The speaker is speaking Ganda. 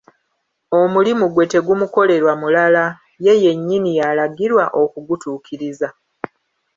Omulimu gwe tegumukolerwa mulala, ye yennyini y'alagirwa okugutuukiriza.